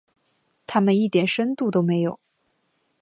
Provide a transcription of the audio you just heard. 他们一点深度都没有。